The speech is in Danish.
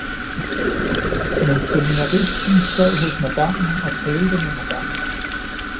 Men seminaristen sad hos madammen og talte med madammen